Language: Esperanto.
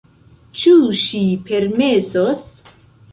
Ĉu ŝi permesos,?